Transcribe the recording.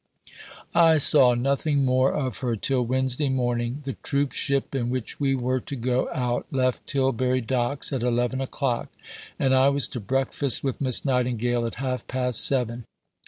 I saw nothing more of her till Wednesday morning. The troop ship in which we were to go out left Tilbury Docks at 11 o'clock, and I was to breakfast with Miss Nightingale at half past seven.